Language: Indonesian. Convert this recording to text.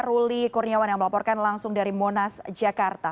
ruli kurniawan yang melaporkan langsung dari monas jakarta